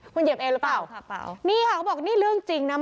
คุณเหยียบเองหรือเปล่านี่ค่ะเขาบอกนี่เรื่องจริงนะ